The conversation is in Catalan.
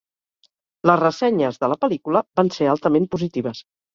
Les ressenyes de la pel·lícula van ser altament positives.